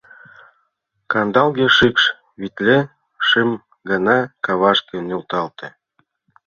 Кандалге шикш витле шым гана кавашке нӧлталте.